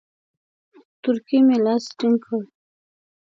تورکي مې لاس ټينگ کړ.